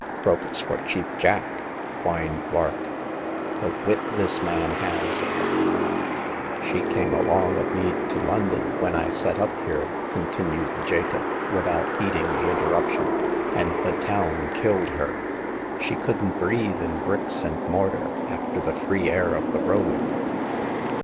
Crocus for Cheap Jack !" whined Vark ;" the wit this man has !"" She came along o' me to London when I set up here," continued Jacob, without heeding the interruption, *' and town killed her ; she couldn't breathe in bricks and mortar after the free air of the road.